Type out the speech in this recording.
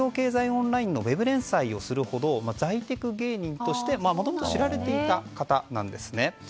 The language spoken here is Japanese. オンラインでウェブ連載をするほど財テク芸人としてもともと知られていた方です。